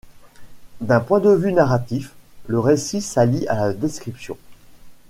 D'un point de vue narratif, le récit s'allie à la description.